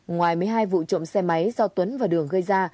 ngoài một mươi hai vụ trộm xe máy do tuấn và đường gây ra